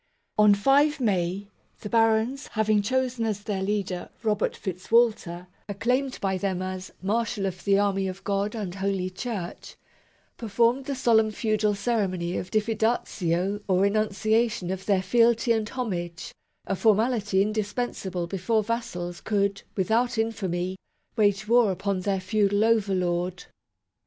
" On 5 May, the barons, having chosen as their leader, Robert Fitzwalter, acclaimed by them as " Marshal of the Army of God and Holy Church," MAGNA CARTA (1215 1915) 5 performed the solemn feudal ceremony of diffidatio, or renunciation of their fealty and homage, a for mality indispensable before vassals could, without infamy, wage war upon their feudal overlord.